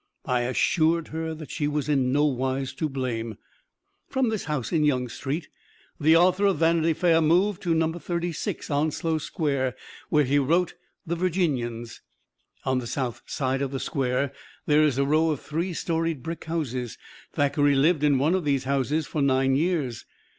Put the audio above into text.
I assured her that she was in no wise to blame. From this house in Young Street the author of "Vanity Fair" moved to Number Thirty six Onslow Square, where he wrote "The Virginians." On the south side of the Square there is a row of three storied brick houses. Thackeray lived in one of these houses for nine years.